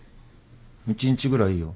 １日ぐらいいいよ。